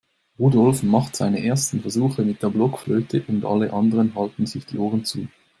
Rudolf macht seine ersten Versuche mit der Blockflöte und alle anderen halten sich die Ohren zu.